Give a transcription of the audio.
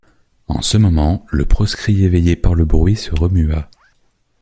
En ce moment le proscrit éveillé par le bruit se remua.